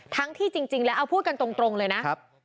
ที่จริงแล้วเอาพูดกันตรงเลยนะ